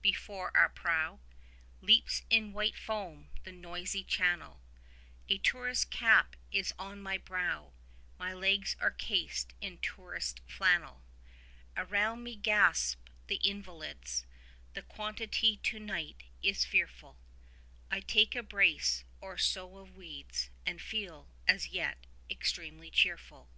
Before our prow Leaps in white foam the noisy channel; A tourist's cap is on my brow, My legs are cased in tourist's flannel: Around me gasp the invalids 5 (The quantity to night is fearful) I take a brace or so of weeds, And feel (as yet) extremely cheerful.